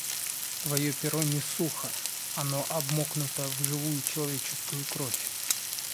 Твое перо не сухо — оно обмокнуто в живую человеческую кровь.